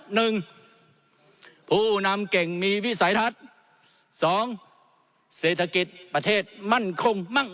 หนึ่งผู้นำเก่งมีวิสัยทัศน์สองเศรษฐกิจประเทศมั่นคงมั่ง